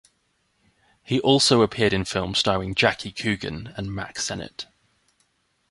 He also appeared in films starring Jackie Coogan and Mack Sennett.